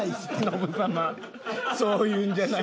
ノブ様そういうんじゃない。